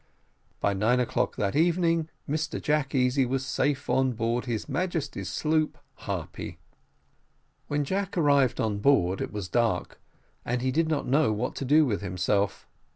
By nine o'clock that evening, Mr Jack Easy was safe on board his Majesty's sloop Harpy. When Jack arrived on board, it was dark, and he did not know what to do with himself.